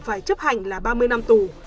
phải chấp hành là ba mươi năm tù